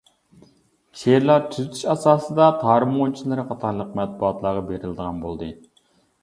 شېئىرلار تۈزىتىش ئاساسىدا «تارىم غۇنچىلىرى» قاتارلىق مەتبۇئاتلارغا بېرىلىدىغان بولدى.